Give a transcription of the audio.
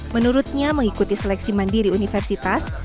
menurutnya mengikuti seleksi mandiri universitas